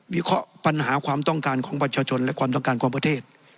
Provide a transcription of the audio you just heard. เคราะห์ปัญหาความต้องการของประชาชนและความต้องการของประเทศ